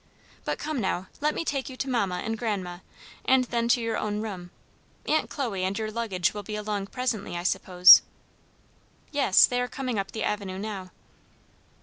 "But come now, let me take you to mamma and grandma, and then to your own room. Aunt Chloe and your luggage will be along presently, I suppose." "Yes, they are coming up the avenue now."